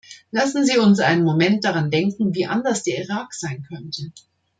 Lassen Sie uns einen Moment daran denken, wie anders der Irak sein könnte.